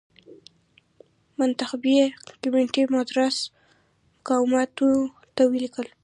منتخبي کمېټې مدراس مقاماتو ته ولیکل.